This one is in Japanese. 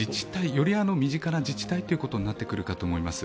より身近な自治体ということになってくるかと思います。